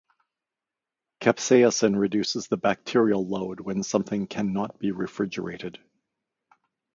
Capsaicin reduces the bacterial load when something can not be refrigerated.